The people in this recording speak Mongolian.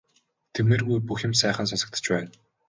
Итгэмээргүй бүх юм сайхан сонсогдож байна.